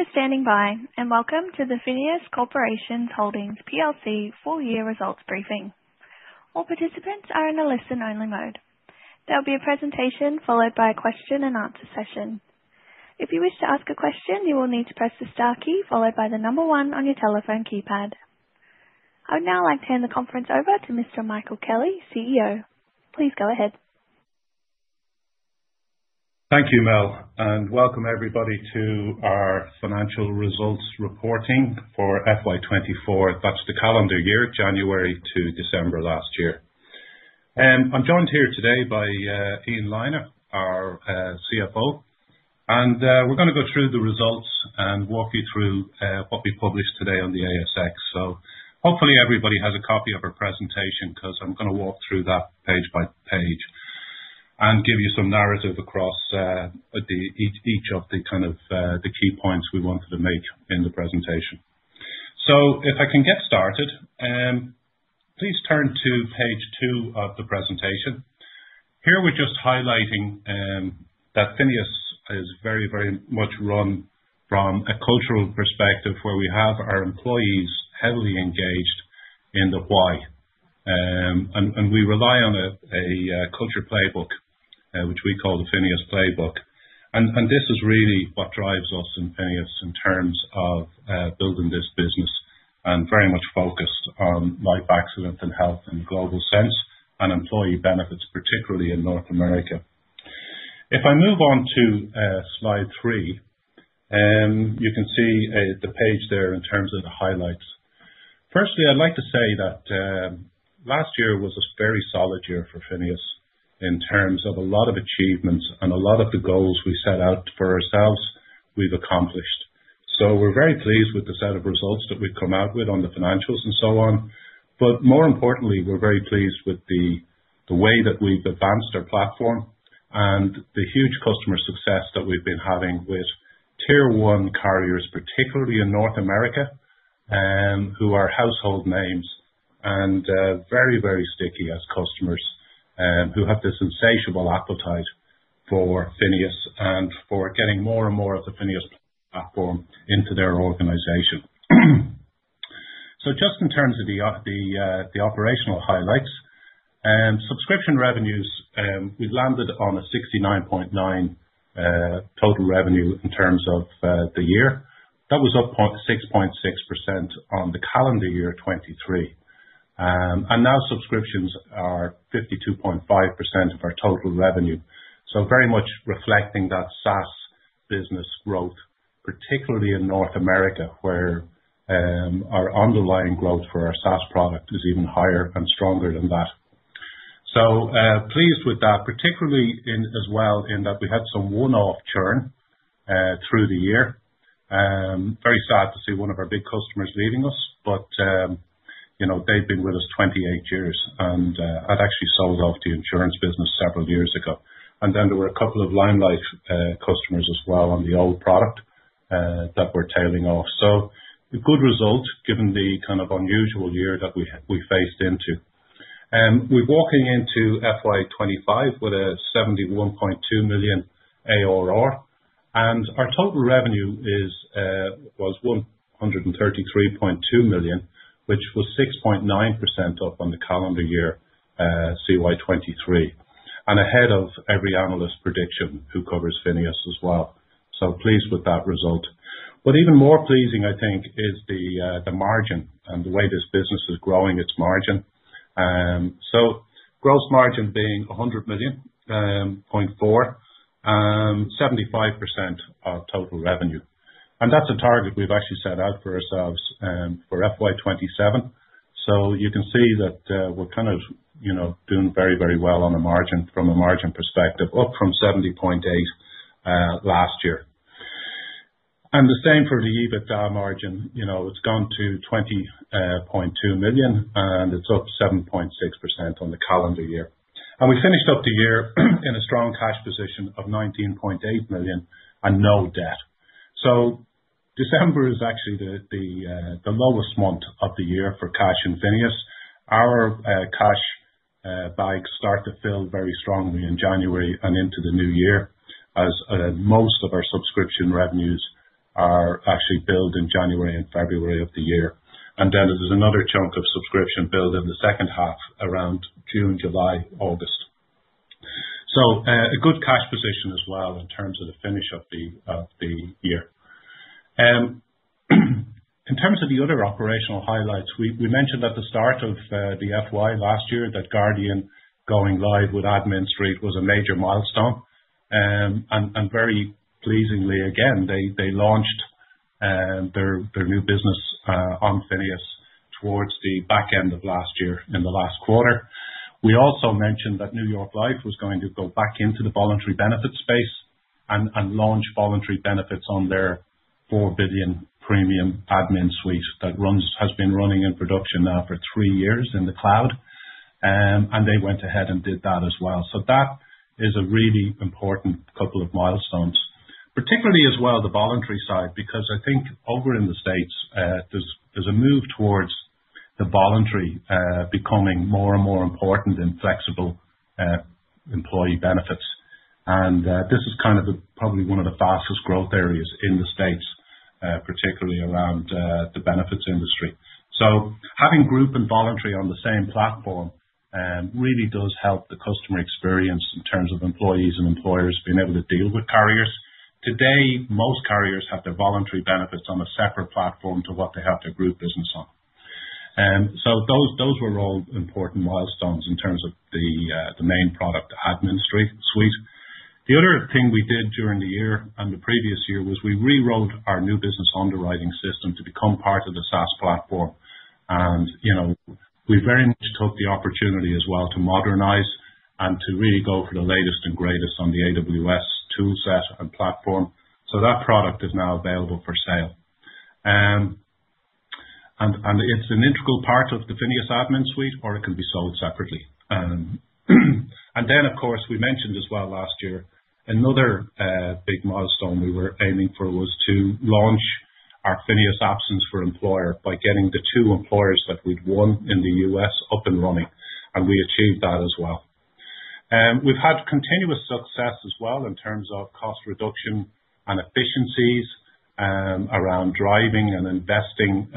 Thank you for standing by, and welcome to the FINEOS Corporation Holdings PLC Full-Year Results Briefing. All participants are in a listen-only mode. There will be a presentation followed by a Q&A session. If you wish to ask a question, you will need to press the star key followed by the number one on your telephone keypad. I would now like to hand the conference over to Mr. Michael Kelly, CEO. Please go ahead. Thank you, Mel, and welcome everybody to our financial results reporting for FY24, that's the calendar year, January to December last year. I'm joined here today by Ian Lynagh, our CFO, and we're going to go through the results and walk you through what we published today on the ASX. So hopefully everybody has a copy of our presentation because I'm going to walk through that page by page and give you some narrative across each of the kind of key points we wanted to make in the presentation. So if I can get started, please turn to page two of the presentation. Here we're just highlighting that FINEOS is very, very much run from a cultural perspective where we have our employees heavily engaged in the why, and we rely on a culture playbook, which we call the FINEOS Playbook. And this is really what drives us in FINEOS in terms of building this business and very much focused on Life, Accident and Health in a global sense and employee benefits, particularly in North America. If I move on to slide three, you can see the page there in terms of the highlights. Firstly, I'd like to say that last year was a very solid year for FINEOS in terms of a lot of achievements and a lot of the goals we set out for ourselves we've accomplished. So we're very pleased with the set of results that we've come out with on the financials and so on, but more importantly, we're very pleased with the way that we've advanced our platform and the huge customer success that we've been having with tier 1 carriers, particularly in North America, who are household names and very, very sticky as customers who have this insatiable appetite for FINEOS and for getting more and more of the FINEOS platform into their organization. So just in terms of the operational highlights, subscription revenues, we've landed on a 69.9 million total revenue in terms of the year. That was up 6.6% on the calendar year 2023. And now subscriptions are 52.5% of our total revenue. So very much reflecting that SaaS business growth, particularly in North America where our underlying growth for our SaaS product is even higher and stronger than that. so pleased with that, particularly as well in that we had some one-off churn through the year. Very sad to see one of our big customers leaving us, but they've been with us 28 years, and I'd actually sold off the insurance business several years ago. And then there were a couple of Limelight customers as well on the old product that were tailing off. It was a good result given the kind of unusual year that we faced into. We're walking into FY25 with 71.2 million ARR, and our total revenue was 133.2 million, which was 6.9% up on the calendar year CY23 and ahead of every analyst prediction who covers FINEOS as well. We were pleased with that result. But even more pleasing, I think, is the margin and the way this business is growing its margin. Gross margin was 100.4 million, 75% of total revenue. That's a target we've actually set out for ourselves for FY27. So you can see that we're kind of doing very, very well on a margin from a margin perspective, up from 70.8% last year. And the same for the EBITDA margin. It's gone to 20.2 million, and it's up 7.6% on the calendar year. And we finished up the year in a strong cash position of 19.8 million and no debt. So, December is actually the lowest month of the year for cash in FINEOS. Our cash bags start to fill very strongly in January and into the new year as most of our subscription revenues are actually billed in January and February of the year. And then there's another chunk of subscription billed in the second half around June, July, August. So a good cash position as well in terms of the finish of the year. In terms of the other operational highlights, we mentioned at the start of the FY last year that Guardian going live with AdminSuite was a major milestone, and very pleasingly, again, they launched their new business on FINEOS towards the back end of last year in the last quarter. We also mentioned that New York Life was going to go back into the voluntary benefit space and launch voluntary benefits on their $4 billion premium AdminSuite that has been running in production now for three years in the cloud, and they went ahead and did that as well, so that is a really important couple of milestones, particularly as well the voluntary side because I think over in the States, there's a move towards the voluntary becoming more and more important in flexible employee benefits. This is kind of probably one of the fastest growth areas in the States, particularly around the benefits industry. Having group and voluntary on the same platform really does help the customer experience in terms of employees and employers being able to deal with carriers. Today, most carriers have their voluntary benefits on a separate platform to what they have their group business on. Those were all important milestones in terms of the main product AdminSuite. The other thing we did during the year and the previous year was we rewrote our new business underwriting system to become part of the SaaS platform. We very much took the opportunity as well to modernize and to really go for the latest and greatest on the AWS toolset and platform. That product is now available for sale. It is an integral part of the FINEOS AdminSuite, or it can be sold separately. Then, of course, we mentioned as well last year, another big milestone we were aiming for was to launch our FINEOS Absence for Employers by getting the two employers that we'd won in the U.S. up and running. We achieved that as well. We've had continuous success as well in terms of cost reduction and efficiencies around driving and investing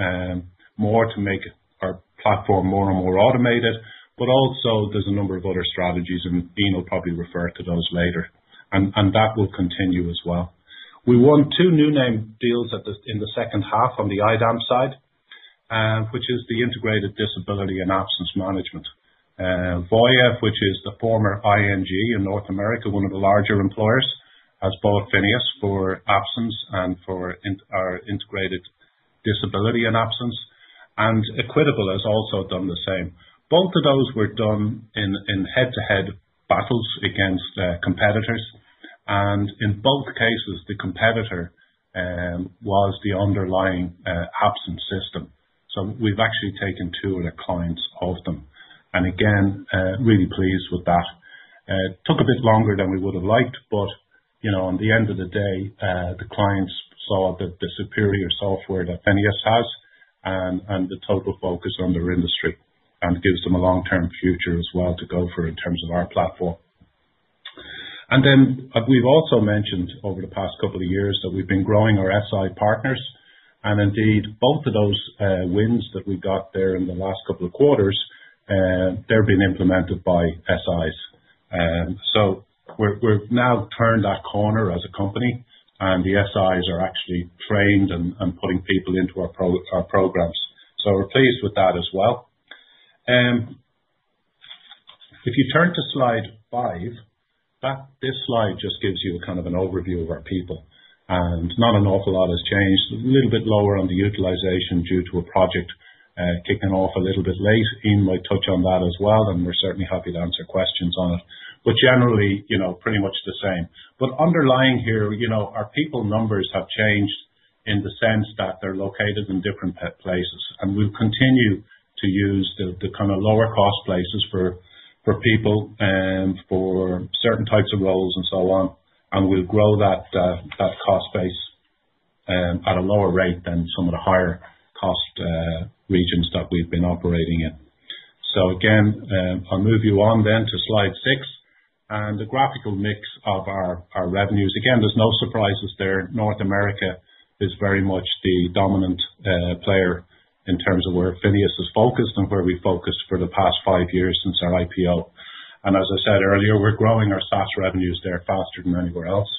more to make our platform more and more automated, but also there's a number of other strategies, and Ian will probably refer to those later. That will continue as well. We won two new name deals in the second half on the IDAM side, which is the Integrated Disability and Absence Management. Voya, which is the former ING in North America, one of the larger employers, has bought FINEOS for Absence and for our Integrated Disability and Absence, and Equitable has also done the same. Both of those were done in head-to-head battles against competitors, and in both cases, the competitor was the underlying absence system. So we've actually taken two of the clients of them, and again, really pleased with that. It took a bit longer than we would have liked, but at the end of the day, the clients saw the superior software that FINEOS has and the total focus on their industry and gives them a long-term future as well to go for in terms of our platform, and then we've also mentioned over the past couple of years that we've been growing our SI partners. And indeed, both of those wins that we got there in the last couple of quarters, they're being implemented by SIs. So we've now turned that corner as a company, and the SIs are actually trained and putting people into our programs. So we're pleased with that as well. If you turn to slide five, this slide just gives you kind of an overview of our people. And not an awful lot has changed. A little bit lower on the utilization due to a project kicking off a little bit late. Ian might touch on that as well, and we're certainly happy to answer questions on it. But generally, pretty much the same. But underlying here, our people numbers have changed in the sense that they're located in different places. And we'll continue to use the kind of lower-cost places for people and for certain types of roles and so on. And we'll grow that cost base at a lower rate than some of the higher-cost regions that we've been operating in. So again, I'll move you on then to slide six and the geographical mix of our revenues. Again, there's no surprises there. North America is very much the dominant player in terms of where FINEOS is focused and where we've focused for the past five years since our IPO. And as I said earlier, we're growing our SaaS revenues there faster than anywhere else.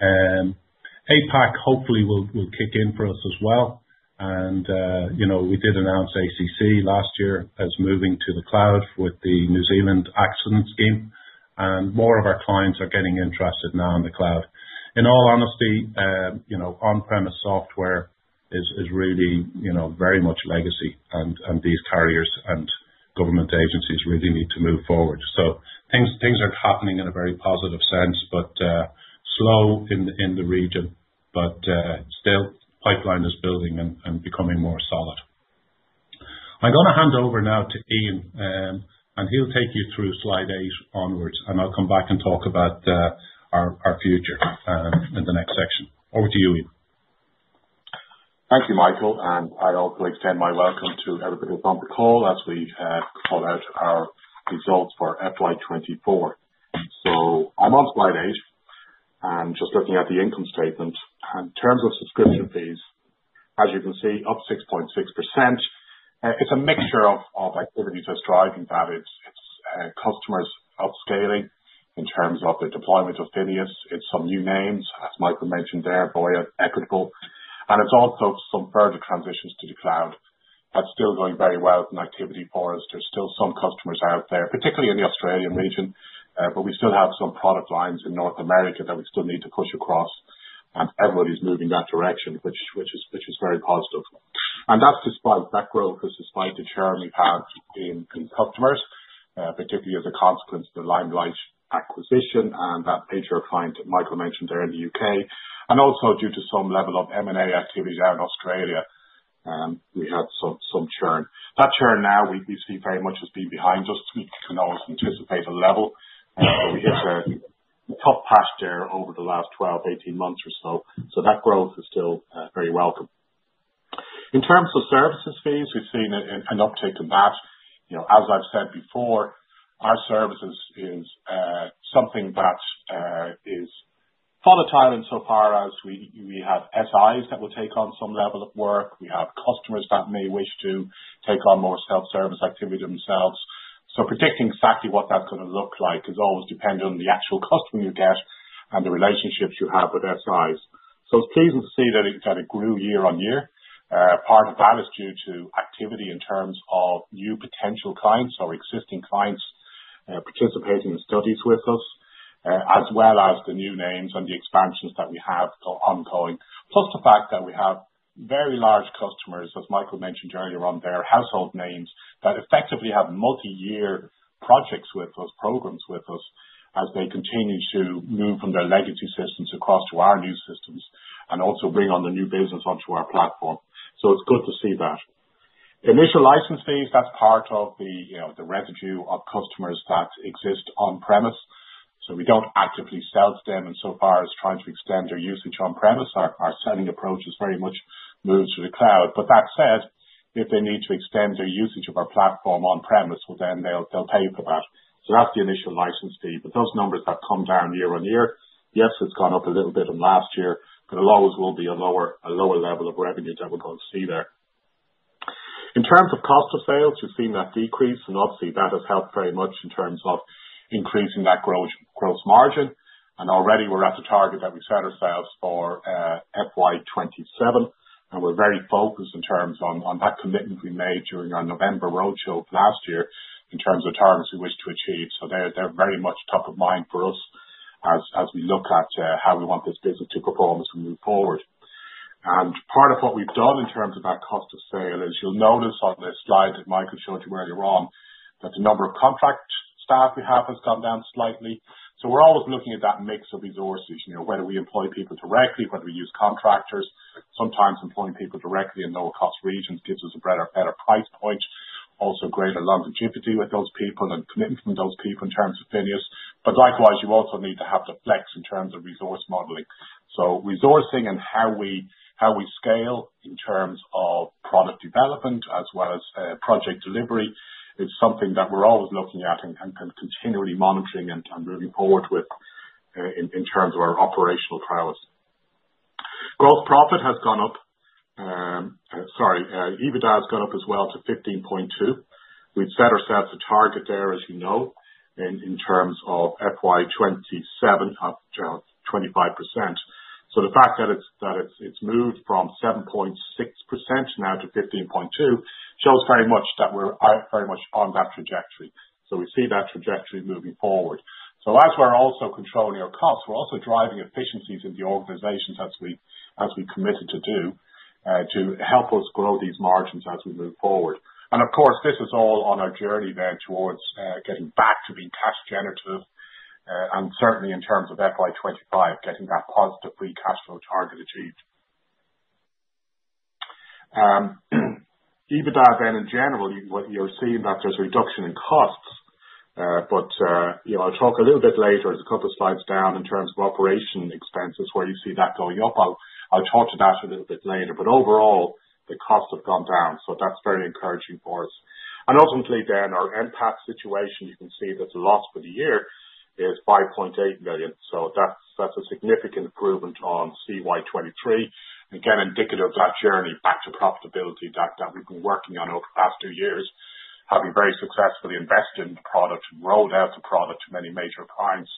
APAC hopefully will kick in for us as well. And we did announce ACC last year as moving to the cloud with the New Zealand accident scheme. And more of our clients are getting interested now in the cloud. In all honesty, on-premise software is really very much legacy, and these carriers and government agencies really need to move forward. So things are happening in a very positive sense, but slow in the region, but still pipeline is building and becoming more solid. I'm going to hand over now to Ian, and he'll take you through slide eight onwards, and I'll come back and talk about our future in the next section. Over to you, Ian. Thank you, Michael, and I'd also extend my welcome to everybody who's on the call as we call out our results for FY24, so I'm on slide eight and just looking at the income statement. In terms of subscription fees, as you can see, up 6.6%. It's a mixture of activities that's driving that. It's customers upscaling in terms of the deployment of FINEOS. It's some new names, as Michael mentioned there, Voya, Equitable, and it's also some further transitions to the cloud. That's still going very well in activity for us. There's still some customers out there, particularly in the Australian region, but we still have some product lines in North America that we still need to push across, and everybody's moving that direction, which is very positive. And that's despite that growth is despite the churn we've had in customers, particularly as a consequence of the Limelight acquisition and that major client that Michael mentioned there in the U.K. And also due to some level of M&A activity there in Australia, we had some churn. That churn now, we see very much has been behind us. We can always anticipate a level. We hit a top patch there over the last 12-18 months or so. So that growth is still very welcome. In terms of services fees, we've seen an uptick in that. As I've said before, our services is something that is volatile insofar as we have SIs that will take on some level of work. We have customers that may wish to take on more self-service activity themselves. So predicting exactly what that's going to look like is always dependent on the actual customer you get and the relationships you have with SIs. So it's pleasing to see that it grew year on year. Part of that is due to activity in terms of new potential clients or existing clients participating in studies with us, as well as the new names and the expansions that we have ongoing. Plus the fact that we have very large customers, as Michael mentioned earlier on, they're household names that effectively have multi-year projects with us, programs with us, as they continue to move from their legacy systems across to our new systems and also bring on the new business onto our platform. So it's good to see that. Initial license fees, that's part of the residue of customers that exist on-premise. So we don't actively sell to them insofar as trying to extend their usage on-premise. Our selling approach has very much moved to the cloud. But that said, if they need to extend their usage of our platform on-premise, well, then they'll pay for that. So that's the initial license fee. But those numbers have come down year on year. Yes, it's gone up a little bit in last year, but it always will be a lower level of revenue that we're going to see there. In terms of cost of sales, we've seen that decrease. And obviously, that has helped very much in terms of increasing that gross margin. And already, we're at the target that we set ourselves for FY27. And we're very focused in terms of that commitment we made during our November roadshow last year in terms of targets we wish to achieve. So they're very much top of mind for us as we look at how we want this business to perform as we move forward. And part of what we've done in terms of that cost of sale is you'll notice on this slide that Michael showed you earlier on that the number of contract staff we have has gone down slightly. So we're always looking at that mix of resources. Whether we employ people directly, whether we use contractors, sometimes employing people directly in lower-cost regions gives us a better price point. Also greater longevity with those people and commitment from those people in terms of FINEOS. But likewise, you also need to have the flex in terms of resource modeling. So resourcing and how we scale in terms of product development as well as project delivery is something that we're always looking at and continually monitoring and moving forward with in terms of our operational prowess. Gross profit has gone up. Sorry, EBITDA has gone up as well to 15.2%. We've set ourselves a target there, as you know, in terms of FY 2027 of 25%. So the fact that it's moved from 7.6% now to 15.2% shows very much that we're very much on that trajectory. So we see that trajectory moving forward. So as we're also controlling our costs, we're also driving efficiencies in the organizations as we committed to do to help us grow these margins as we move forward. And of course, this is all on our journey then towards getting back to being cash generative. Certainly, in terms of FY25, getting that positive free cash flow target achieved. EBITDA then in general, you're seeing that there's a reduction in costs. But I'll talk a little bit later as a couple of slides down in terms of operation expenses where you see that going up. I'll talk to that a little bit later. But overall, the costs have gone down. So that's very encouraging for us. And ultimately then, our NPAT situation, you can see that the loss for the year is 5.8 million. So that's a significant improvement on CY 2023. Again, indicative of that journey back to profitability that we've been working on over the past two years, having very successfully invested in the product and rolled out the product to many major clients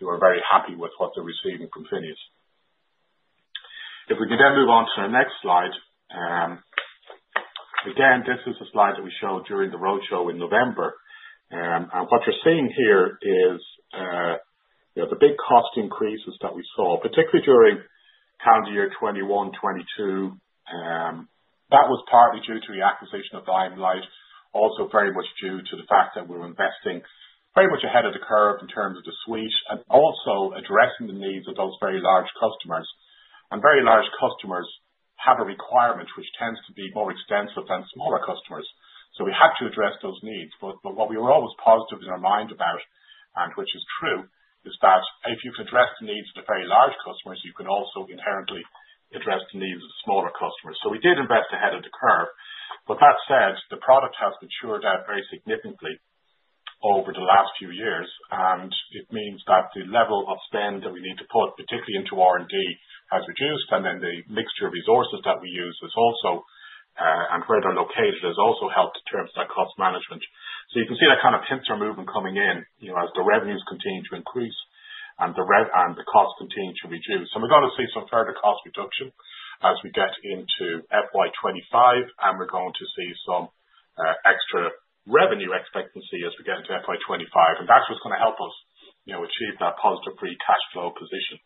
who are very happy with what they're receiving from FINEOS. If we can then move on to the next slide. Again, this is a slide that we showed during the roadshow in November. And what you're seeing here is the big cost increases that we saw, particularly during calendar year 2021, 2022. That was partly due to the acquisition of Limelight, also very much due to the fact that we were investing very much ahead of the curve in terms of the suite and also addressing the needs of those very large customers. And very large customers have a requirement which tends to be more extensive than smaller customers. So we had to address those needs. But what we were always positive in our mind about, and which is true, is that if you can address the needs of the very large customers, you can also inherently address the needs of the smaller customers. So we did invest ahead of the curve. But that said, the product has matured out very significantly over the last few years. And it means that the level of spend that we need to put, particularly into R&D, has reduced. And then the mixture of resources that we use and where they're located has also helped in terms of that cost management. So you can see that kind of hint or movement coming in as the revenues continue to increase and the costs continue to reduce. And we're going to see some further cost reduction as we get into FY25. And we're going to see some extra revenue expectancy as we get into FY25. And that's what's going to help us achieve that positive free cash flow position.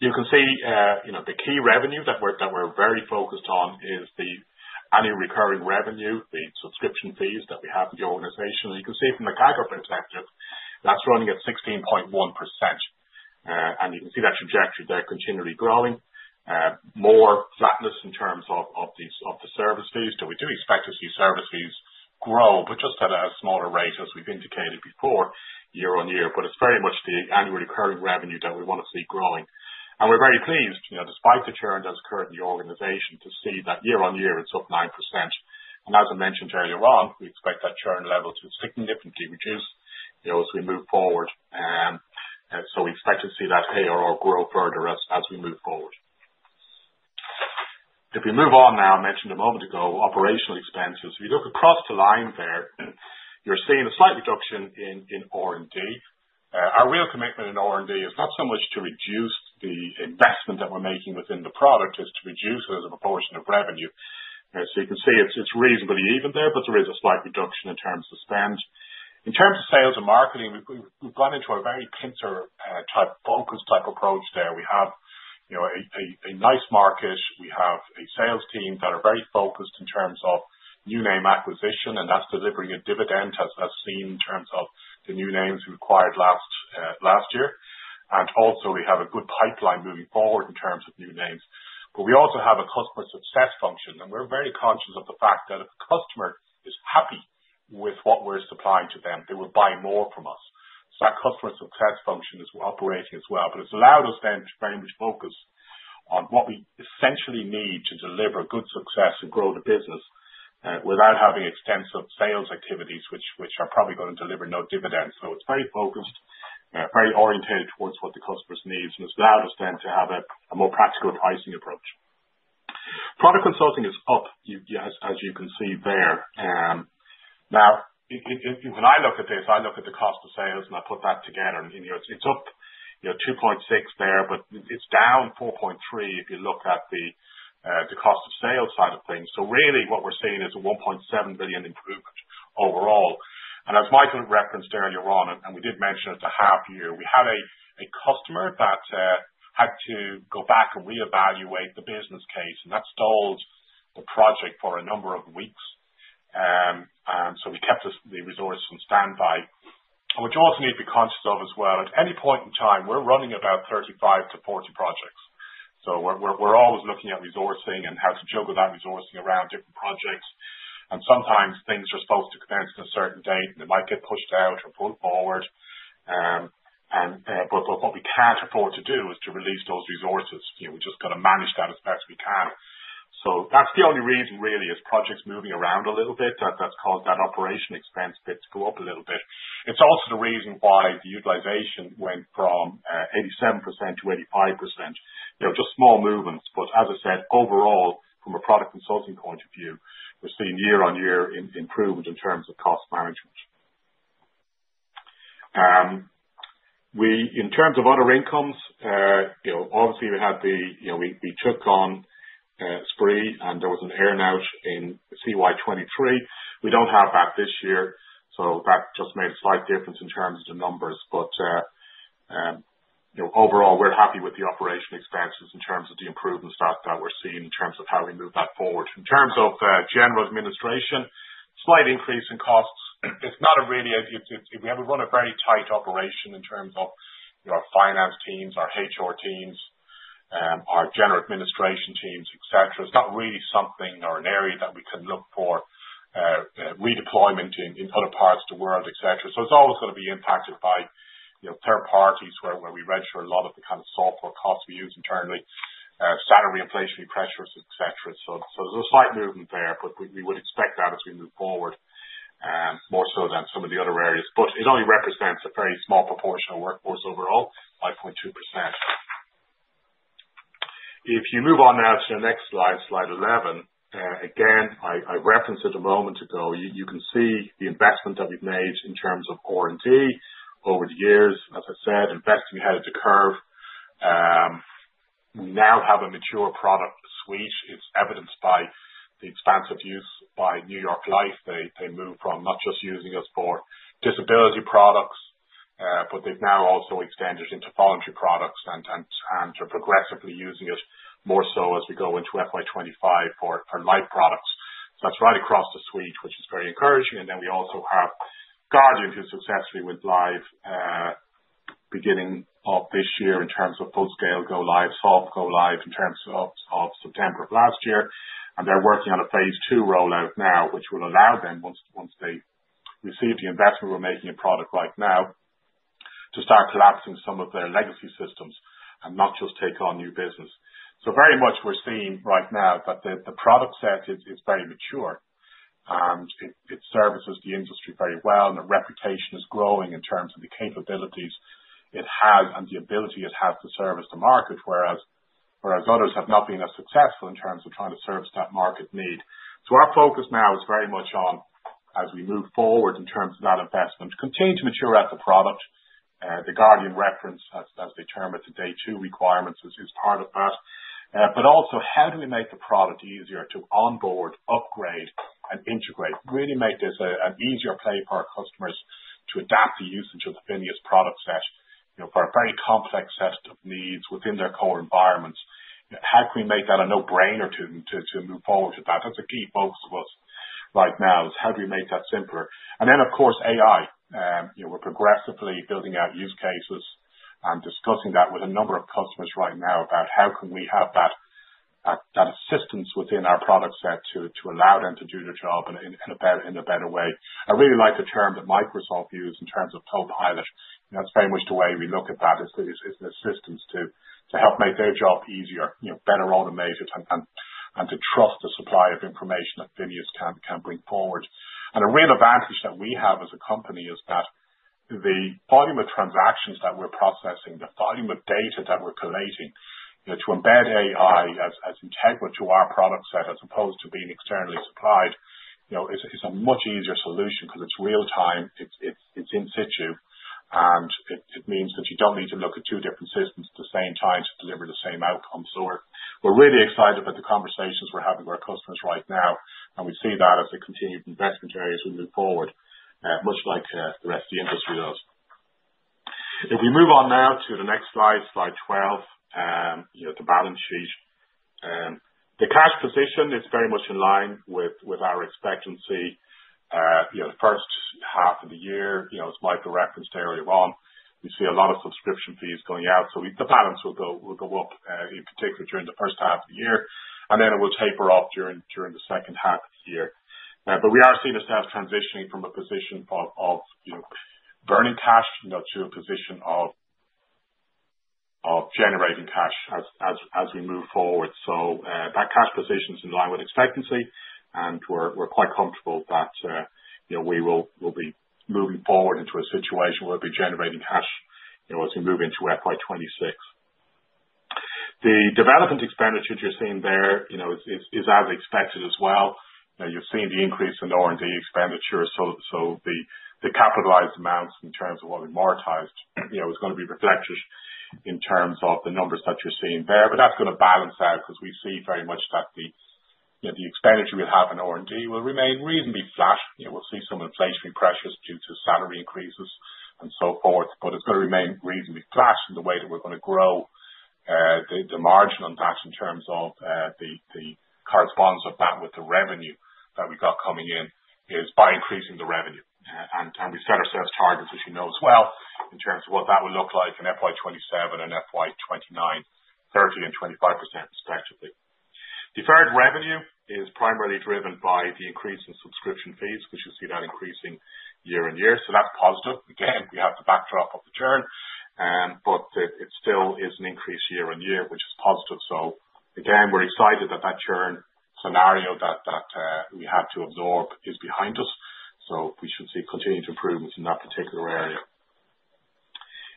You can see the key revenue that we're very focused on is the annual recurring revenue, the subscription fees that we have in the organization. You can see from the gross margin perspective, that's running at 16.1%. You can see that trajectory there continually growing. More flatness in terms of the service fees. We do expect to see service fees grow, but just at a smaller rate as we've indicated before year on year. It's very much the annual recurring revenue that we want to see growing. We're very pleased, despite the churn that's occurred in the organization, to see that year on year, it's up 9%. As I mentioned earlier on, we expect that churn level to significantly reduce as we move forward. We expect to see that ARR grow further as we move forward. If we move on now, I mentioned a moment ago, operational expenses. If you look across the line there, you're seeing a slight reduction in R&D. Our real commitment in R&D is not so much to reduce the investment that we're making within the product as to reduce it as a proportion of revenue, so you can see it's reasonably even there, but there is a slight reduction in terms of spend. In terms of sales and marketing, we've gone into a very pincer-type focus-type approach there. We have a nice market. We have a sales team that are very focused in terms of new name acquisition, and that's delivering a dividend as seen in terms of the new names we acquired last year, and also, we have a good pipeline moving forward in terms of new names, but we also have a customer success function, and we're very conscious of the fact that if a customer is happy with what we're supplying to them, they will buy more from us. So that customer success function is operating as well. But it's allowed us then to very much focus on what we essentially need to deliver good success and grow the business without having extensive sales activities which are probably going to deliver no dividends. So it's very focused, very oriented towards what the customer's needs. And it's allowed us then to have a more practical pricing approach. Product consulting is up, as you can see there. Now, when I look at this, I look at the cost of sales and I put that together. And it's up 2.6 there, but it's down 4.3 if you look at the cost of sales side of things. So really, what we're seeing is a 1.7 million improvement overall. And as Michael referenced earlier on, and we did mention it the half year, we had a customer that had to go back and reevaluate the business case. And that stalled the project for a number of weeks. And so we kept the resources on standby. And what you also need to be conscious of as well, at any point in time, we're running about 35-40 projects. So we're always looking at resourcing and how to juggle that resourcing around different projects. And sometimes things are supposed to commence at a certain date, and it might get pushed out or put forward. But what we can't afford to do is to release those resources. We're just going to manage that as best we can. That's the only reason really is projects moving around a little bit that's caused that operational expense bit to go up a little bit. It's also the reason why the utilization went from 87% to 85%. Just small movements. But as I said, overall, from a product consulting point of view, we're seeing year on year improvement in terms of cost management. In terms of other incomes, obviously, we took on Spraoi, and there was an earnout in CY 2023. We don't have that this year. So that just made a slight difference in terms of the numbers. But overall, we're happy with the operational expenses in terms of the improvements that we're seeing in terms of how we move that forward. In terms of general administration, slight increase in costs. It's not really. We have run a very tight operation in terms of our finance teams, our HR teams, our general administration teams, etc. It's not really something or an area that we can look for redeployment in other parts of the world, etc., so it's always going to be impacted by third parties where we register a lot of the kind of software costs we use internally, salary inflationary pressures, etc., so there's a slight movement there, but we would expect that as we move forward, more so than some of the other areas, but it only represents a very small proportion of workforce overall, 5.2%. If you move on now to the next slide, slide 11, again, I referenced it a moment ago. You can see the investment that we've made in terms of R&D over the years, as I said, investing ahead of the curve. We now have a mature product suite. It's evidenced by the expansive use by New York Life. They move from not just using us for disability products, but they've now also extended it into voluntary products and are progressively using it more so as we go into FY25 for life products, so that's right across the suite, which is very encouraging, and then we also have Guardian, who successfully went live beginning of this year in terms of full-scale go live, soft go live in terms of September of last year, and they're working on a phase two rollout now, which will allow them, once they receive the investment we're making in product right now, to start collapsing some of their legacy systems and not just take on new business, so very much we're seeing right now that the product set is very mature. It services the industry very well. The reputation is growing in terms of the capabilities it has and the ability it has to service the market, whereas others have not been as successful in terms of trying to service that market need. Our focus now is very much on, as we move forward in terms of that investment, continue to mature out the product. The Guardian reference, as they term it, the day 2 requirements is part of that. Also, how do we make the product easier to onboard, upgrade, and integrate? Really make this an easier play for our customers to adapt the usage of the FINEOS product set for a very complex set of needs within their core environments. How can we make that a no-brainer to move forward with that? That's a key focus of us right now is how do we make that simpler, and then, of course, AI. We're progressively building out use cases and discussing that with a number of customers right now about how can we have that assistance within our product set to allow them to do their job in a better way. I really like the term that Microsoft used in terms of Copilot. That's very much the way we look at that as an assistance to help make their job easier, better automated, and to trust the supply of information that FINEOS can bring forward. And a real advantage that we have as a company is that the volume of transactions that we're processing, the volume of data that we're collating to embed AI as integral to our product set as opposed to being externally supplied, is a much easier solution because it's real-time, it's in situ, and it means that you don't need to look at two different systems at the same time to deliver the same outcome, so we're really excited about the conversations we're having with our customers right now, and we see that as a continued investment area as we move forward, much like the rest of the industry does. If we move on now to the next slide, slide 12, the balance sheet. The cash position is very much in line with our expectancy. The first half of the year, as Michael referenced earlier on, we see a lot of subscription fees going out, so the balance will go up, in particular, during the first half of the year, and then it will taper off during the second half of the year, but we are seeing ourselves transitioning from a position of burning cash to a position of generating cash as we move forward, so that cash position is in line with expectations, and we're quite comfortable that we will be moving forward into a situation where we'll be generating cash as we move into FY26. The development expenditure you're seeing there is as expected as well. You've seen the increase in R&D expenditure, so the capitalized amounts in terms of what we've monetized is going to be reflective in terms of the numbers that you're seeing there. But that's going to balance out because we see very much that the expenditure we have in R&D will remain reasonably flat. We'll see some inflationary pressures due to salary increases and so forth, but it's going to remain reasonably flat in the way that we're going to grow the margin on that in terms of the correspondence of that with the revenue that we got coming in is by increasing the revenue, and we set ourselves targets, as you know, as well, in terms of what that would look like in FY27 and FY29, 30% and 25% respectively. Deferred revenue is primarily driven by the increase in subscription fees, which you'll see that increasing year on year, so that's positive. Again, we have the backdrop of the churn, but it still is an increase year on year, which is positive. So again, we're excited that that churn scenario that we had to absorb is behind us. So we should see continued improvements in that particular area.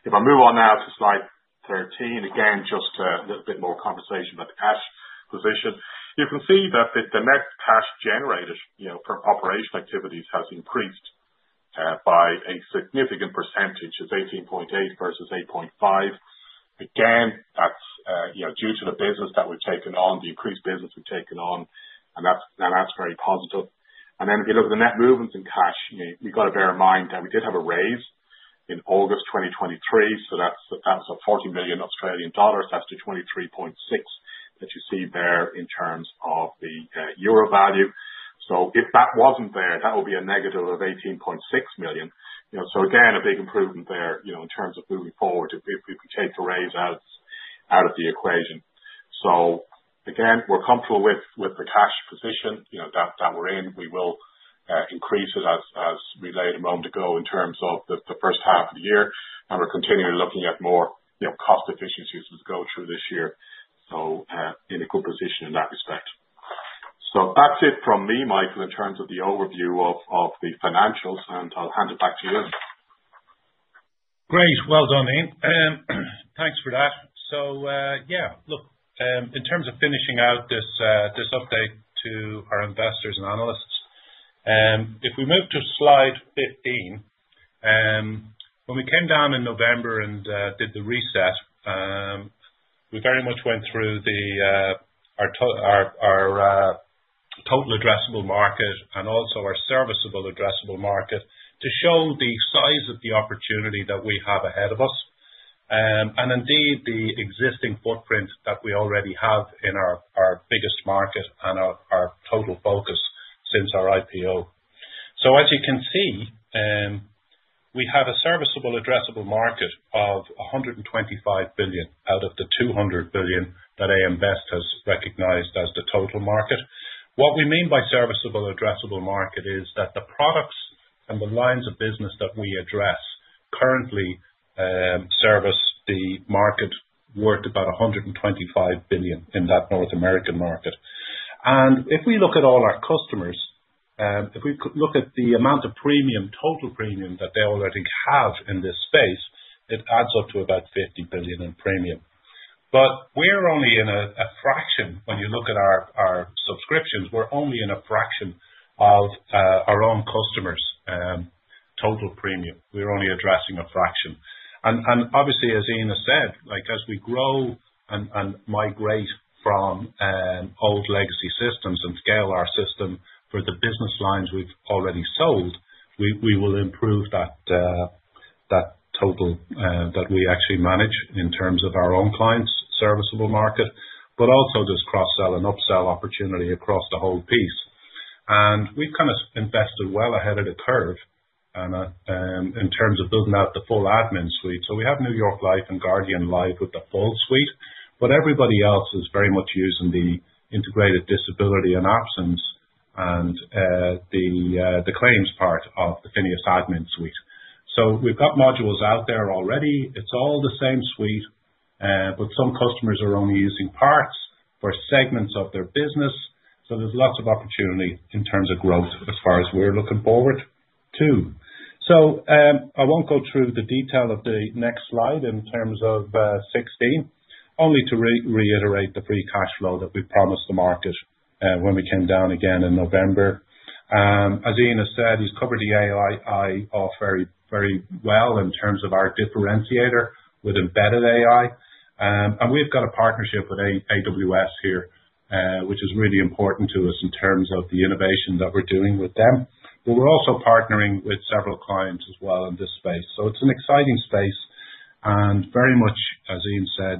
If I move on now to slide 13, again, just a little bit more conversation about the cash position. You can see that the net cash generated from operational activities has increased by a significant percentage. It's 18.8 million versus 8.5 million. Again, that's due to the business that we've taken on, the increased business we've taken on. And that's very positive. And then if you look at the net movements in cash, you've got to bear in mind that we did have a raise in August 2023. So that was 40 million Australian dollars. That's the 23.6 million that you see there in terms of the euro value. So if that wasn't there, that would be a negative of 18.6 million. So again, a big improvement there in terms of moving forward if we take the raise out of the equation. So again, we're comfortable with the cash position that we're in. We will increase it as we laid out a moment ago in terms of the first half of the year. And we're continually looking at more cost efficiencies as we go through this year. So in a good position in that respect. So that's it from me, Michael, in terms of the overview of the financials. And I'll hand it back to you. Great. Well done, Ian. Thanks for that. So yeah, look, in terms of finishing out this update to our investors and analysts, if we move to slide 15, when we came down in November and did the reset, we very much went through our total addressable market and also our serviceable addressable market to show the size of the opportunity that we have ahead of us and indeed the existing footprint that we already have in our biggest market and our total focus since our IPO. So as you can see, we have a serviceable addressable market of $125 billion out of the $200 billion that AM Best has recognized as the total market. What we mean by serviceable addressable market is that the products and the lines of business that we address currently service the market worth about $125 billion in that North American market. And if we look at all our customers, if we look at the amount of premium, total premium that they already have in this space, it adds up to about $50 billion in premium. But we're only in a fraction. When you look at our subscriptions, we're only in a fraction of our own customers' total premium. We're only addressing a fraction. And obviously, as Ian has said, as we grow and migrate from old legacy systems and scale our system for the business lines we've already sold, we will improve that total that we actually manage in terms of our own clients' serviceable market, but also there's cross-sell and upsell opportunity across the whole piece. And we've kind of invested well ahead of the curve in terms of building out the full AdminSuite. So we have New York Life and Guardian live with the full suite. But everybody else is very much using the integrated disability and absence and the claims part of the FINEOS AdminSuite. So we've got modules out there already. It's all the same suite. But some customers are only using parts for segments of their business. So there's lots of opportunity in terms of growth as far as we're looking forward to. So I won't go through the detail of the next slide in terms of 16, only to reiterate the free cash flow that we promised the market when we came down again in November. As Ian has said, he's covered the AI offer very well in terms of our differentiator with embedded AI. And we've got a partnership with AWS here, which is really important to us in terms of the innovation that we're doing with them. But we're also partnering with several clients as well in this space. It's an exciting space. And very much, as Ian said,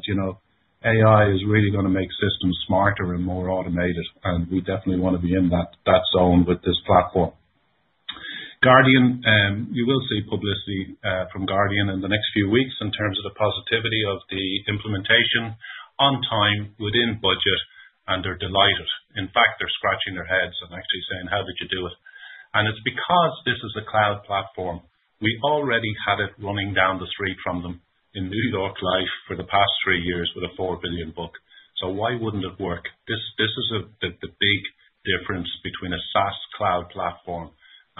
AI is really going to make systems smarter and more automated. And we definitely want to be in that zone with this platform. Guardian, you will see publicity from Guardian in the next few weeks in terms of the positivity of the implementation on time within budget. And they're delighted. In fact, they're scratching their heads and actually saying, "How did you do it?" And it's because this is a cloud platform. We already had it running down the street from them in New York Life for the past three years with a $4 billion book. So why wouldn't it work? This is the big difference between a SaaS cloud platform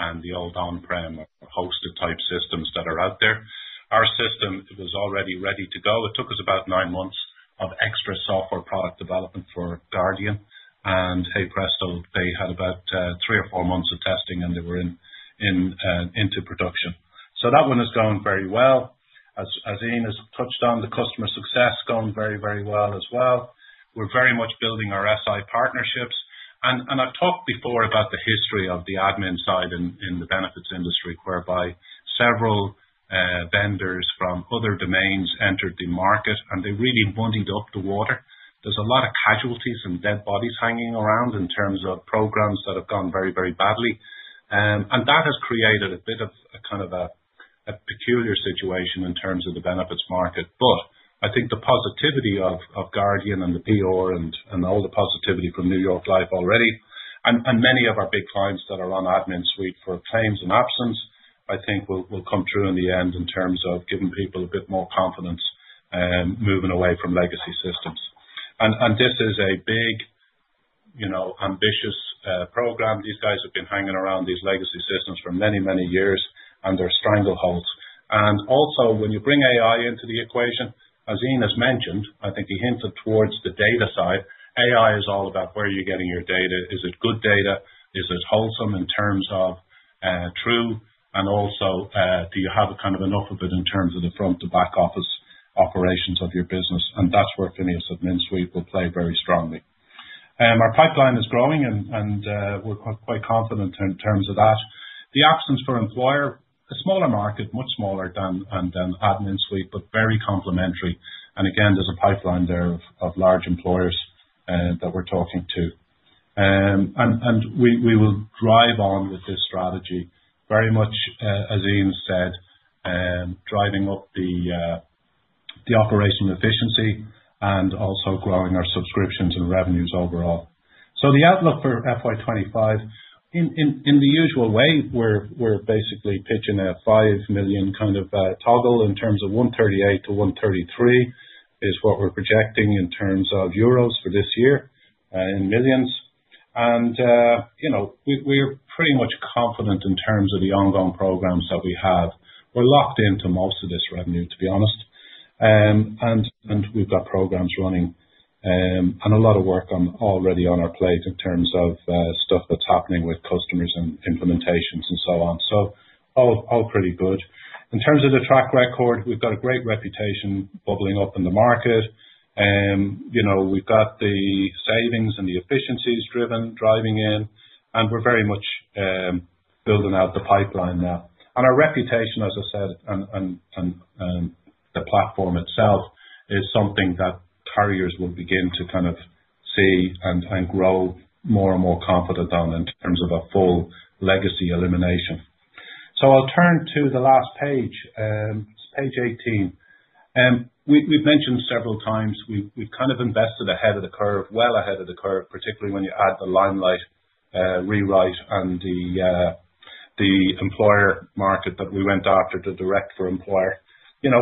and the old on-prem or hosted type systems that are out there. Our system was already ready to go. It took us about nine months of extra software product development for Guardian. And hey, presto, they had about three or four months of testing, and they were into production. So that one has gone very well. As Ian has touched on, the customer success has gone very, very well as well. We're very much building our SI partnerships. And I've talked before about the history of the admin side in the benefits industry whereby several vendors from other domains entered the market, and they really wanted to muddy the waters. There's a lot of casualties and dead bodies hanging around in terms of programs that have gone very, very badly. And that has created a bit of a kind of a peculiar situation in terms of the benefits market. But I think the positivity of Guardian and the PR and all the positivity from New York Life already, and many of our big clients that are on AdminSuite for claims and absence, I think will come true in the end in terms of giving people a bit more confidence moving away from legacy systems. And this is a big, ambitious program. These guys have been hanging around these legacy systems for many, many years, and they're strangleholds. And also, when you bring AI into the equation, as Ian has mentioned, I think he hinted towards the data side, AI is all about where you're getting your data. Is it good data? Is it wholesome in terms of true? And also, do you have kind of enough of it in terms of the front to back office operations of your business? And that's where FINEOS AdminSuite will play very strongly. Our pipeline is growing, and we're quite confident in terms of that. The absence for employer, a smaller market, much smaller than AdminSuite, but very complementary. And again, there's a pipeline there of large employers that we're talking to. And we will drive on with this strategy, very much, as Ian said, driving up the operational efficiency and also growing our subscriptions and revenues overall. So the outlook for FY25, in the usual way, we're basically pitching a 5 million kind of toggle in terms of 138 million to 133 million is what we're projecting for this year. And we're pretty much confident in terms of the ongoing programs that we have. We're locked into most of this revenue, to be honest. And we've got programs running and a lot of work already on our plate in terms of stuff that's happening with customers and implementations and so on. So all pretty good. In terms of the track record, we've got a great reputation bubbling up in the market. We've got the savings and the efficiencies driving in. And we're very much building out the pipeline now. And our reputation, as I said, and the platform itself is something that carriers will begin to kind of see and grow more and more confident on in terms of a full legacy elimination. So I'll turn to the last page. It's page 18. We've mentioned several times we've kind of invested ahead of the curve, well ahead of the curve, particularly when you add the Limelight rewrite and the employer market that we went after to direct for employer.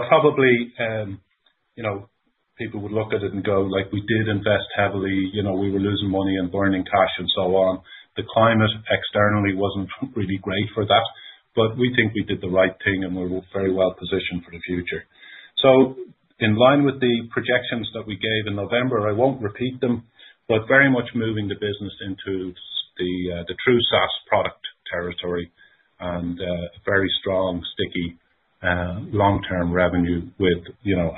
Probably people would look at it and go, "We did invest heavily. We were losing money and burning cash and so on." The climate externally wasn't really great for that. But we think we did the right thing, and we're very well positioned for the future. So in line with the projections that we gave in November, I won't repeat them, but very much moving the business into the true SaaS product territory and very strong, sticky long-term revenue with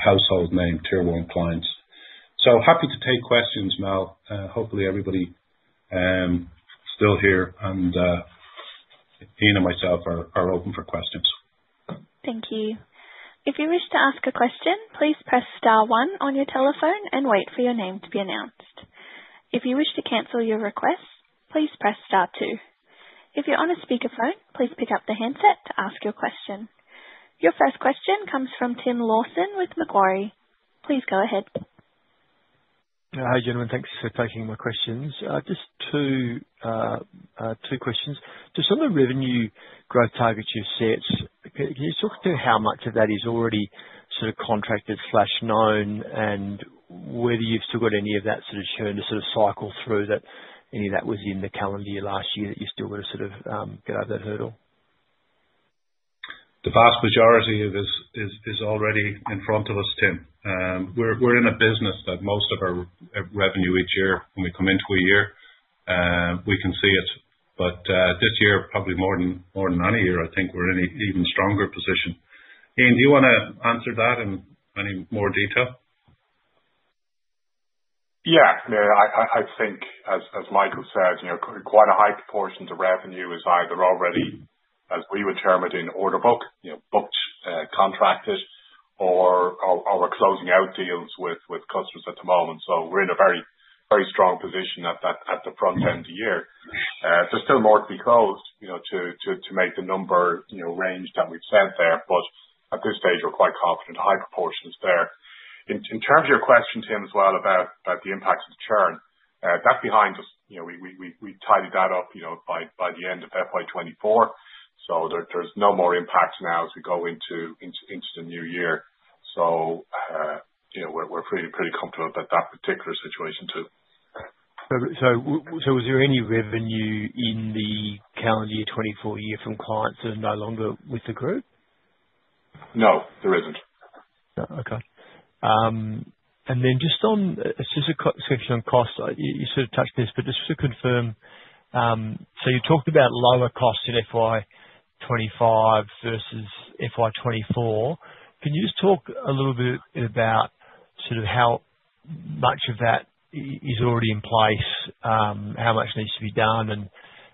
household name tier 1 clients. So happy to take questions, Mel. Hopefully, everybody is still here and Ian and myself are open for questions. Thank you. If you wish to ask a question, please press star one on your telephone and wait for your name to be announced. If you wish to cancel your request, please press star two. If you're on a speakerphone, please pick up the handset to ask your question. Your first question comes from Tim Lawson with Macquarie. Please go ahead. Hi, Gentlemen. Thanks for taking my questions. Just two questions. Just on the revenue growth targets you've set, can you talk to how much of that is already sort of contracted/known and whether you've still got any of that sort of churn to sort of cycle through that, any of that was in the calendar year last year that you still want to sort of get over that hurdle? The vast majority of it is already in front of us, Tim. We're in a business that most of our revenue each year when we come into a year, we can see it. But this year, probably more than any year, I think we're in an even stronger position. Ian, do you want to answer that in any more detail? Yeah. I think, as Michael said, quite a high proportion of the revenue is either already, as we would term it, in order book, booked, contracted, or we're closing out deals with customers at the moment. So we're in a very strong position at the front end of the year. There's still more to be closed to make the number range that we've set there. But at this stage, we're quite confident high proportions there. In terms of your question, Tim, as well about the impact of the churn, that's behind us. We tidied that up by the end of FY24. So there's no more impact now as we go into the new year. So we're pretty comfortable about that particular situation too. Was there any revenue in the calendar year 2024 from clients that are no longer with the group? No, there isn't. Okay, and then just on a specific question on cost, you sort of touched this, but just to confirm, so you talked about lower costs in FY25 versus FY24. Can you just talk a little bit about sort of how much of that is already in place, how much needs to be done, and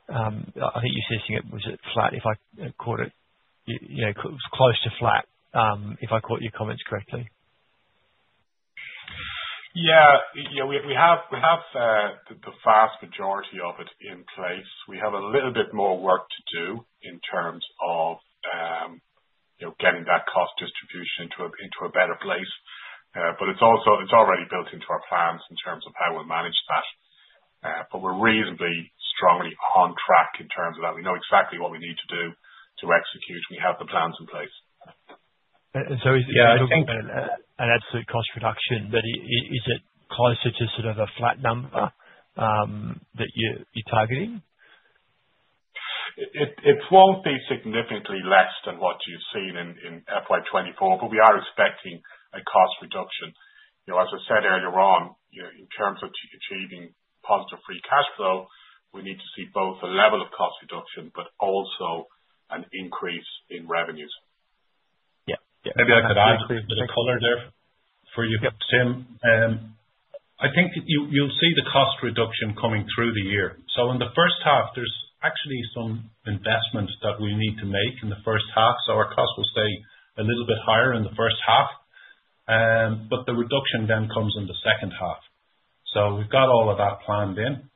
I think you're saying it was at flat, if I caught it, close to flat, if I caught your comments correctly. Yeah. Yeah. We have the vast majority of it in place. We have a little bit more work to do in terms of getting that cost distribution into a better place. But it's already built into our plans in terms of how we'll manage that. But we're reasonably strongly on track in terms of that. We know exactly what we need to do to execute. We have the plans in place. So it's an absolute cost reduction, but is it closer to sort of a flat number that you're targeting? It won't be significantly less than what you've seen in FY24, but we are expecting a cost reduction. As I said earlier on, in terms of achieving positive free cash flow, we need to see both a level of cost reduction but also an increase in revenues. Yeah. Yeah. Maybe I could add a bit of color there for you, Tim. I think you'll see the cost reduction coming through the year. So in the first half, there's actually some investment that we need to make in the first half. So our cost will stay a little bit higher in the first half. But the reduction then comes in the second half. So we've got all of that planned in.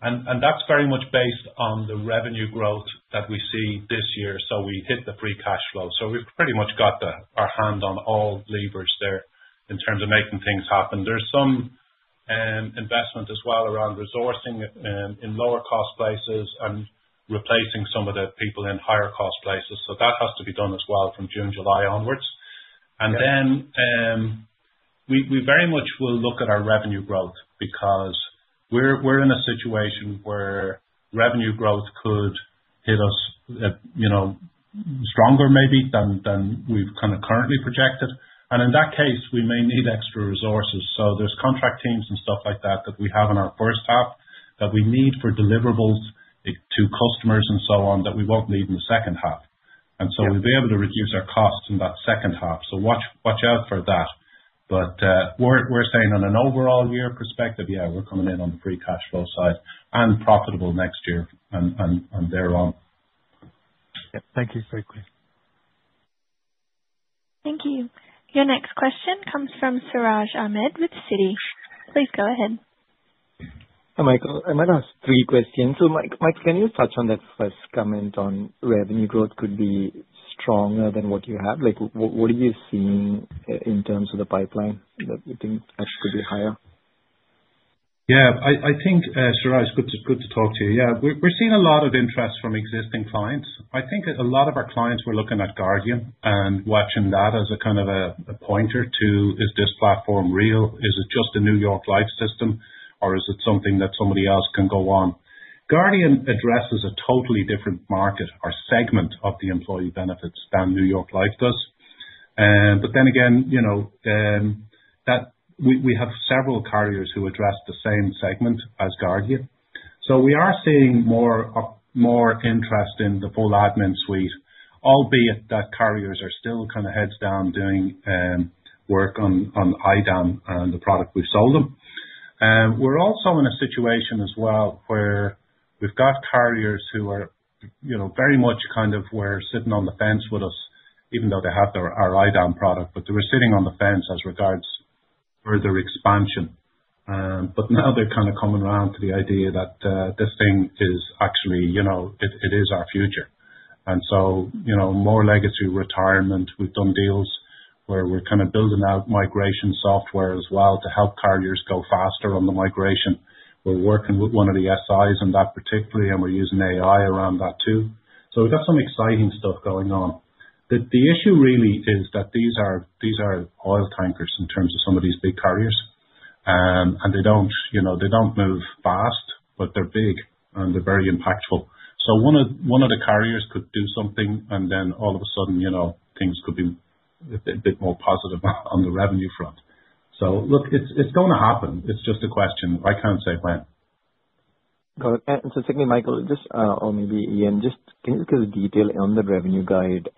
And that's very much based on the revenue growth that we see this year. So we hit the free cash flow. So we've pretty much got our hand on all levers there in terms of making things happen. There's some investment as well around resourcing in lower-cost places and replacing some of the people in higher-cost places. So that has to be done as well from June, July onwards. And then we very much will look at our revenue growth because we're in a situation where revenue growth could hit us stronger maybe than we've kind of currently projected. In that case, we may need extra resources. So there's contract teams and stuff like that that we have in our first half that we need for deliverables to customers and so on that we won't need in the second half. And so we'll be able to reduce our costs in that second half. So watch out for that. But we're saying on an overall year perspective, yeah, we're coming in on the free cash flow side and profitable next year and thereon. Yeah. Thank you. Very clear. Thank you. Your next question comes from Siraj Ahmed with Citi. Please go ahead. Hi, Michael. I might ask three questions. So, Michael, can you touch on that first comment on revenue growth could be stronger than what you have? What are you seeing in terms of the pipeline that you think actually could be higher? Yeah. I think, Siraj, it's good to talk to you. Yeah. We're seeing a lot of interest from existing clients. I think a lot of our clients were looking at Guardian and watching that as a kind of a pointer to, is this platform real? Is it just a New York Life system, or is it something that somebody else can go on? Guardian addresses a totally different market or segment of the employee benefits than New York Life does. But then again, we have several carriers who address the same segment as Guardian. So we are seeing more interest in the full admin suite, albeit that carriers are still kind of heads down doing work on IDAM and the product we've sold them. We're also in a situation as well where we've got carriers who are very much kind of were sitting on the fence with us, even though they have our IDAM product, but they were sitting on the fence as regards further expansion, but now they're kind of coming around to the idea that this thing is actually it is our future, and so more legacy retirement. We've done deals where we're kind of building out migration software as well to help carriers go faster on the migration. We're working with one of the SIs in that particularly, and we're using AI around that too, so we've got some exciting stuff going on. The issue really is that these are oil tankers in terms of some of these big carriers, and they don't move fast, but they're big, and they're very impactful. So one of the carriers could do something, and then all of a sudden, things could be a bit more positive on the revenue front. So look, it's going to happen. It's just a question. I can't say when. Got it. And so technically, Michael, just or maybe Ian, just can you give a detail on the revenue guide?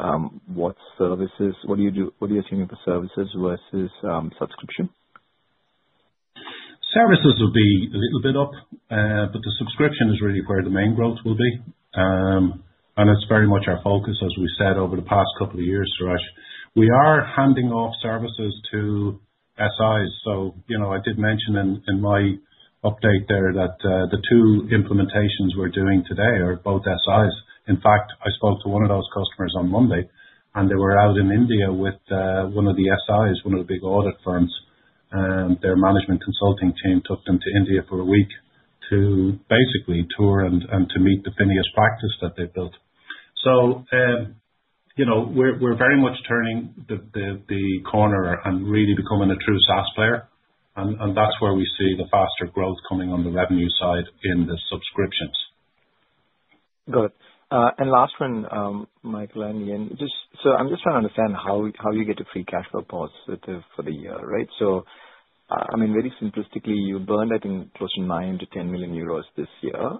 What services? What are you assuming for services versus subscription? Services will be a little bit up, but the subscription is really where the main growth will be, and it's very much our focus, as we said over the past couple of years, Siraj. We are handing off services to SIs. I did mention in my update there that the two implementations we're doing today are both SIs. In fact, I spoke to one of those customers on Monday, and they were out in India with one of the SIs, one of the big audit firms. Their management consulting team took them to India for a week to basically tour and to meet the FINEOS practice that they built. We're very much turning the corner and really becoming a true SaaS player, and that's where we see the faster growth coming on the revenue side in the subscriptions. Got it. And last one, Michael and Ian. So I'm just trying to understand how you get the free cash flow positive for the year, right? So I mean, very simplistically, you burned, I think, close to 9-10 million euros this year.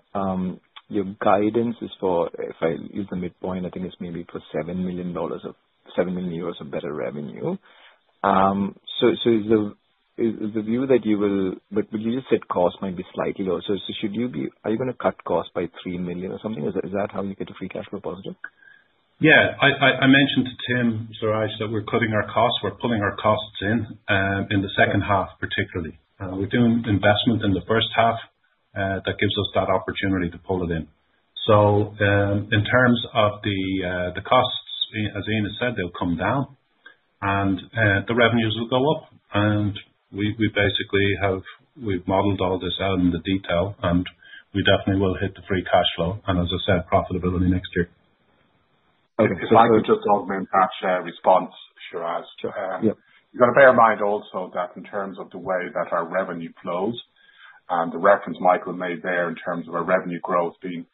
Your guidance is for, if I use the midpoint, I think it's maybe for EUR 7 million of better revenue. So is the view that you will, but would you just say cost might be slightly lower? So should you be, are you going to cut costs by 3 million or something? Is that how you get the free cash flow positive? Yeah. I mentioned to Tim, Siraj, that we're cutting our costs. We're pulling our costs in in the second half, particularly. We're doing investment in the first half that gives us that opportunity to pull it in. So in terms of the costs, as Ian has said, they'll come down, and the revenues will go up, and we basically have modeled all this out in the detail, and we definitely will hit the free cash flow and, as I said, profitability next year. Because I would just augment that response, Siraj. You've got to bear in mind also that in terms of the way that our revenue flows and the reference Michael made there in terms of our revenue growth being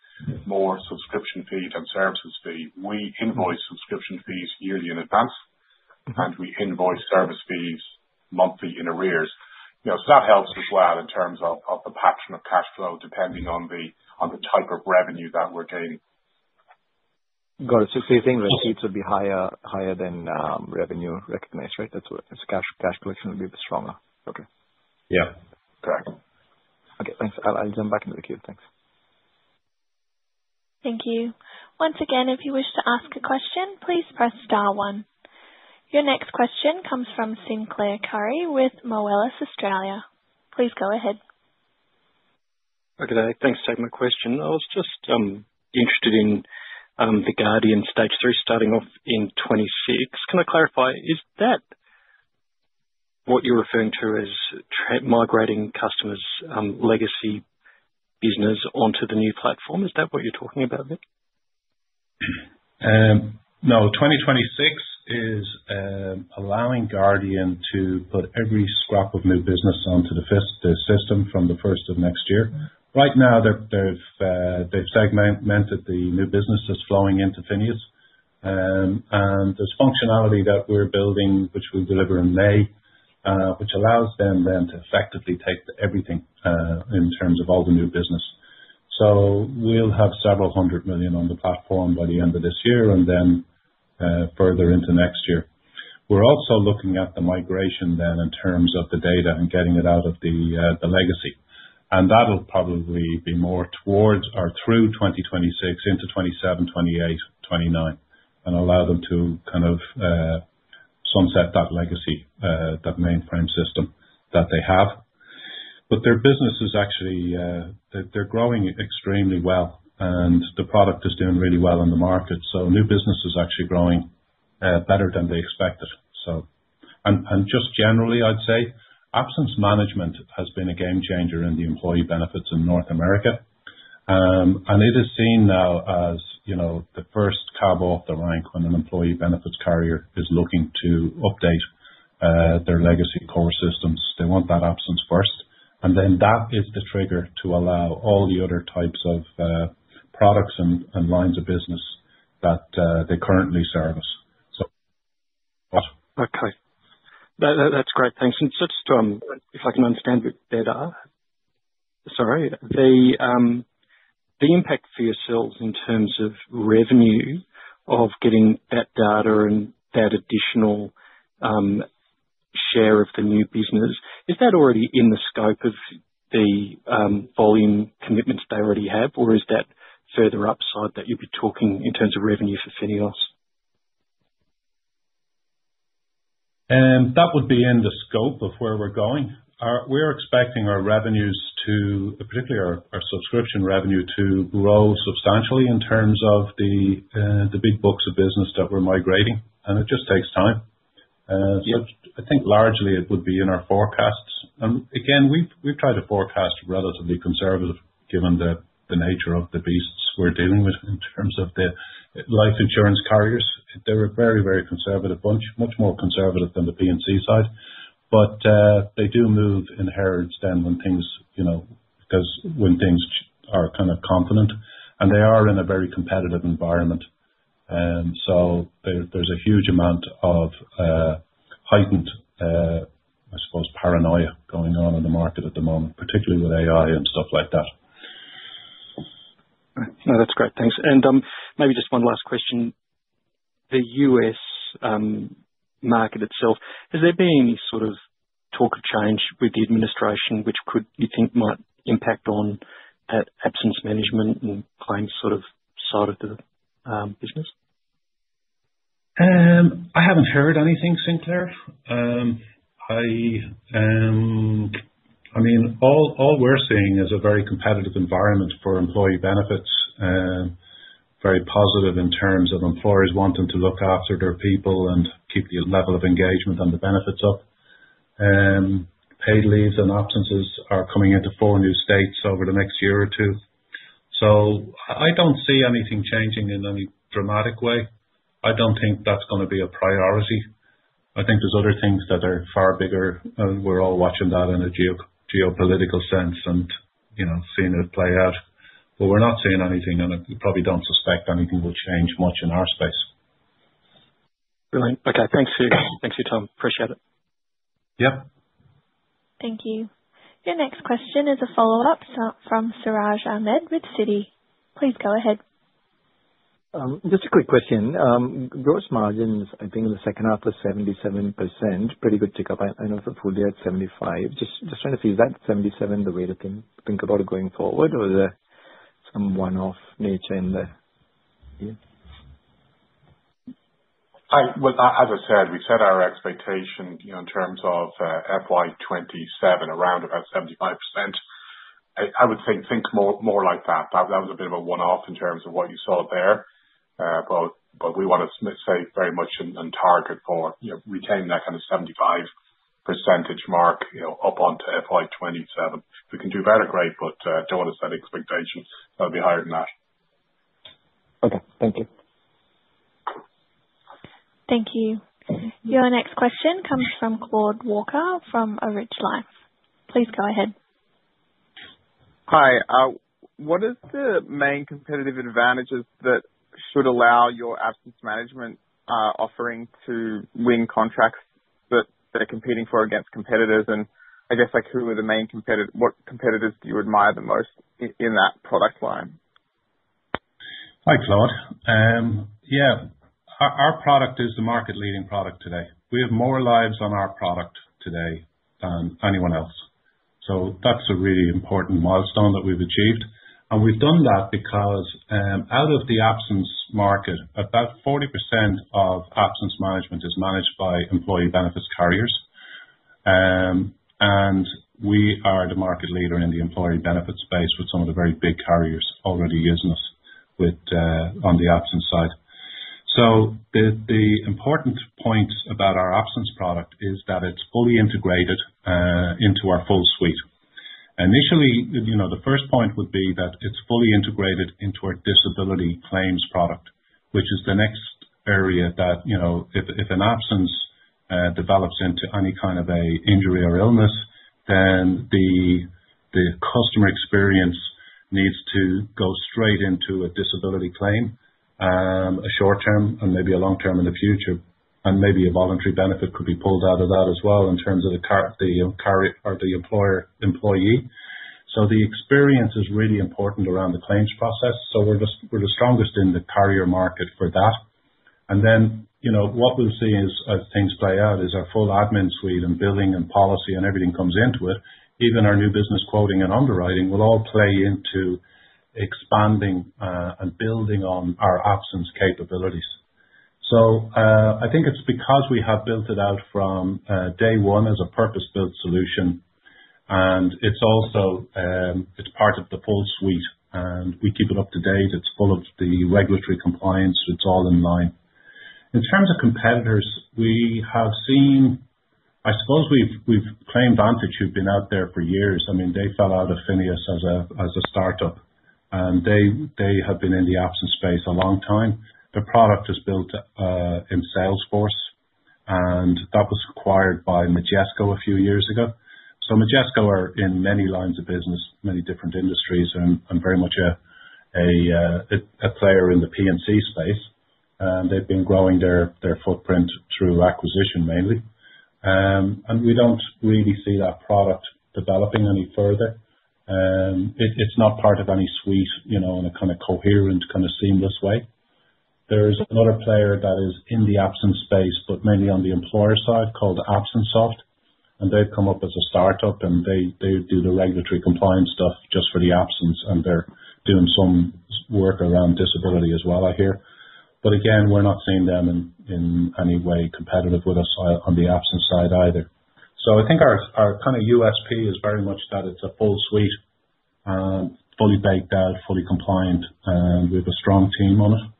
more subscription fees and services fees, we invoice subscription fees yearly in advance, and we invoice service fees monthly in arrears. So that helps as well in terms of the pattern of cash flow depending on the type of revenue that we're gaining. Got it. So you're saying receipts would be higher than revenue recognized, right? That's where cash collection would be a bit stronger. Okay. Yeah. Correct. Okay. Thanks. I'll jump back into the queue. Thanks. Thank you. Once again, if you wish to ask a question, please press star one. Your next question comes from Sinclair Currie with Moelis Australia. Please go ahead. Okay. Thanks for taking my question. I was just interested in the Guardian stage three starting off in 2026. Can I clarify? Is that what you're referring to as migrating customers' legacy business onto the new platform? Is that what you're talking about there? No, 2026 is allowing Guardian to put every scrap of new business onto the system from the 1st of next year. Right now, they've segmented the new business that's flowing into FINEOS. And there's functionality that we're building, which we'll deliver in May, which allows them then to effectively take everything in terms of all the new business. So we'll have several hundred million on the platform by the end of this year and then further into next year. We're also looking at the migration then in terms of the data and getting it out of the legacy. And that'll probably be more towards or through 2026 into 2027, 2028, 2029, and allow them to kind of sunset that legacy, that mainframe system that they have. But their business is actually they're growing extremely well, and the product is doing really well in the market. So new business is actually growing better than they expected. And just generally, I'd say absence management has been a game changer in the employee benefits in North America. And it is seen now as the first cab off the rank when an employee benefits carrier is looking to update their legacy core systems. They want that absence first. And then that is the trigger to allow all the other types of products and lines of business that they currently service. Okay. That's great. Thanks. And just if I can understand better, sorry, the impact for yourselves in terms of revenue of getting that data and that additional share of the new business, is that already in the scope of the volume commitments they already have, or is that further upside that you'll be talking in terms of revenue for FINEOS? That would be in the scope of where we're going. We're expecting our revenues to, particularly our subscription revenue, to grow substantially in terms of the big books of business that we're migrating, and it just takes time, so I think largely it would be in our forecasts, and again, we've tried to forecast relatively conservative given the nature of the beasts we're dealing with in terms of the life insurance carriers. They're a very, very conservative bunch, much more conservative than the P&C side, but they do move in herds, and then when things are kind of confident. And they are in a very competitive environment, so there's a huge amount of heightened, I suppose, paranoia going on in the market at the moment, particularly with AI and stuff like that. No, that's great. Thanks. And maybe just one last question. The U.S. market itself, has there been any sort of talk of change with the administration which you think might impact on absence management and claims sort of side of the business? I haven't heard anything, Sinclair. I mean, all we're seeing is a very competitive environment for employee benefits, very positive in terms of employers wanting to look after their people and keep the level of engagement and the benefits up. Paid leaves and absences are coming into four new states over the next year or two. So I don't see anything changing in any dramatic way. I don't think that's going to be a priority. I think there's other things that are far bigger, and we're all watching that in a geopolitical sense and seeing it play out. But we're not seeing anything, and we probably don't suspect anything will change much in our space. Brilliant. Okay. Thanks. Appreciate it. Yep. Thank you. Your next question is a follow-up from Siraj Ahmed with Citi. Please go ahead. Just a quick question. Gross margins, I think in the second half was 77%, pretty good tick up. I know for full year at 75%. Just trying to see, is that 77 the way to think about it going forward, or is there some one-off nature in there? As I said, we set our expectation in terms of FY27 around about 75%. I would think more like that. That was a bit of a one-off in terms of what you saw there. But we want to stay very much in target for retaining that kind of 75% mark up onto FY27. We can do better, great, but don't want to set expectations that'll be higher than that. Okay. Thank you. Thank you. Your next question comes from Claude Walker from A Rich Life. Please go ahead. Hi. What is the main competitive advantages that should allow your absence management offering to win contracts that they're competing for against competitors? And I guess who are the main competitors? What competitors do you admire the most in that product line? Hi, Claude. Yeah. Our product is the market-leading product today. We have more lives on our product today than anyone else. So that's a really important milestone that we've achieved. And we've done that because out of the absence market, about 40% of absence management is managed by employee benefits carriers. And we are the market leader in the employee benefits space with some of the very big carriers already using us on the absence side. So the important point about our absence product is that it's fully integrated into our full suite. Initially, the first point would be that it's fully integrated into our disability claims product, which is the next area that if an absence develops into any kind of an injury or illness, then the customer experience needs to go straight into a disability claim, a short-term and maybe a long-term in the future. And maybe a voluntary benefit could be pulled out of that as well in terms of the employee. So the experience is really important around the claims process. So we're the strongest in the carrier market for that. And then what we'll see as things play out is our full admin suite and billing and policy and everything comes into it. Even our new business quoting and underwriting will all play into expanding and building on our absence capabilities. So I think it's because we have built it out from day one as a purpose-built solution, and it's part of the full suite, and we keep it up to date. It's full of the regulatory compliance. It's all in line. In terms of competitors, we have seen, I suppose we've seen ClaimVantage who've been out there for years. I mean, they fell out of FINEOS as a startup, and they have been in the absence space a long time. Their product is built in Salesforce, and that was acquired by Majesco a few years ago. So Majesco are in many lines of business, many different industries, and very much a player in the P&C space. And they've been growing their footprint through acquisition mainly. And we don't really see that product developing any further. It's not part of any suite in a kind of coherent, kind of seamless way. There's another player that is in the absence space, but mainly on the employer side called AbsenceSoft. And they've come up as a startup, and they do the regulatory compliance stuff just for the absence, and they're doing some work around disability as well, I hear. But again, we're not seeing them in any way competitive with us on the absence side either. So I think our kind of USP is very much that it's a full suite, fully baked out, fully compliant, and we have a strong team on it.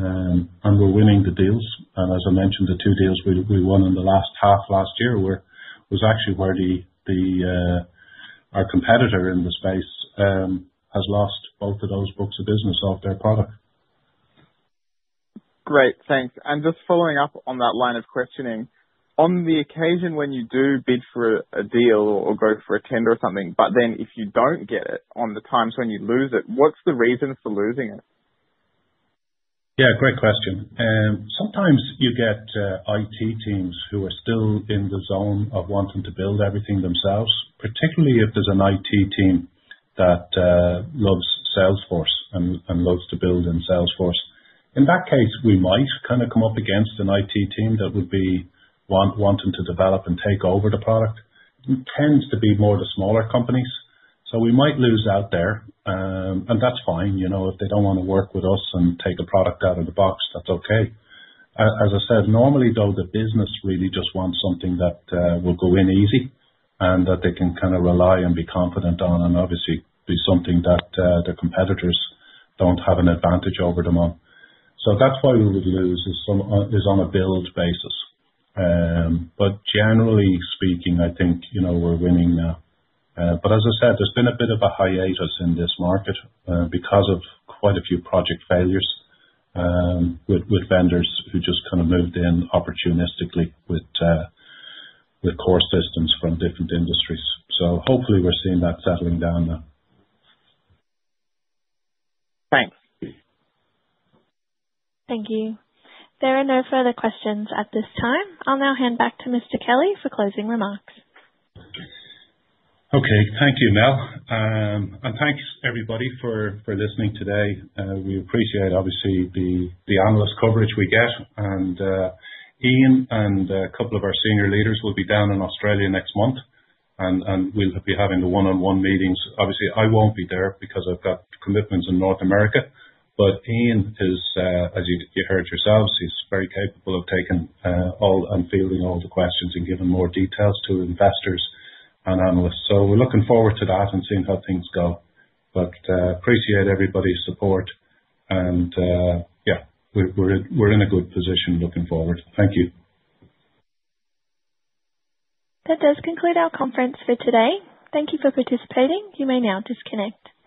And we're winning the deals. And as I mentioned, the two deals we won in the last half last year was actually where our competitor in the space has lost both of those books of business off their product. Great. Thanks. And just following up on that line of questioning, on the occasion when you do bid for a deal or go for a tender or something, but then if you don't get it, on the times when you lose it, what's the reason for losing it? Yeah. Great question. Sometimes you get IT teams who are still in the zone of wanting to build everything themselves, particularly if there's an IT team that loves Salesforce and loves to build in Salesforce. In that case, we might kind of come up against an IT team that would be wanting to develop and take over the product. It tends to be more the smaller companies. So we might lose out there, and that's fine. If they don't want to work with us and take a product out of the box, that's okay. As I said, normally, though, the business really just wants something that will go in easy and that they can kind of rely on, be confident on, and obviously be something that the competitors don't have an advantage over them on. So that's why we would lose is on a build basis. But generally speaking, I think we're winning. But as I said, there's been a bit of a hiatus in this market because of quite a few project failures with vendors who just kind of moved in opportunistically with core systems from different industries. So hopefully, we're seeing that settling down now. Thanks. Thank you. There are no further questions at this time. I'll now hand back to Mr. Kelly for closing remarks. Okay. Thank you, Mel. And thanks, everybody, for listening today. We appreciate, obviously, the analyst coverage we get. And Ian and a couple of our senior leaders will be down in Australia next month, and we'll be having the one-on-one meetings. Obviously, I won't be there because I've got commitments in North America. But Ian, as you heard yourselves, is very capable of taking all and fielding all the questions and giving more details to investors and analysts. So we're looking forward to that and seeing how things go. But appreciate everybody's support. And yeah, we're in a good position looking forward. Thank you. That does conclude our conference for today. Thank you for participating. You may now disconnect.